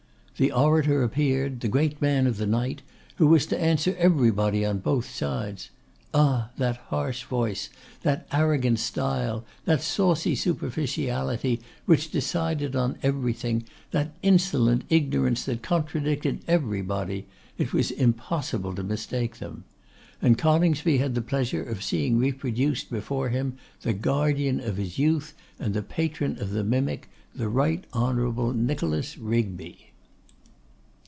The orator appeared, the great man of the night, who was to answer everybody on both sides. Ah! that harsh voice, that arrogant style, that saucy superficiality which decided on everything, that insolent ignorance that contradicted everybody; it was impossible to mistake them! And Coningsby had the pleasure of seeing reproduced before him the guardian of his youth and the patron of the mimic, the Right Honourable Nicholas Rigby!